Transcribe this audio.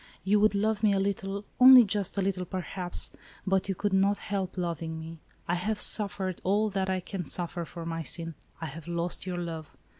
You would love me a little, only just a little, perhaps, but you could not help loving me. I *have suffered all that I can suffer for my sin, — I have lost your love.